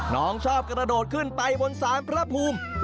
น้องชอบกระโดดขึ้นไปบนศาลพระภูมิ